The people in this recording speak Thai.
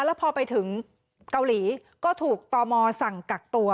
แล้วพอไปถึงเกาหลีก็ถูกตมสั่งกักตัว